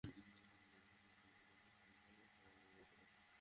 আল্লাহর ভয়ে তাদের চোখ থেকে অশ্রু-ধারা প্রবাহিত হত।